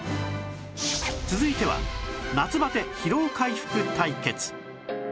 続いては夏バテ・疲労回復対決